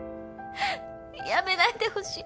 やめないでほしい。